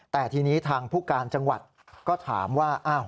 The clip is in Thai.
แต่ทีนี้ทางผู้การจังหวัดก็ถามว่า